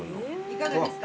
いかがですか？